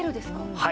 はい。